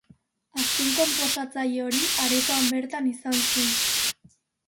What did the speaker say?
Azken konposatzaile hori aretoan bertan izan zen.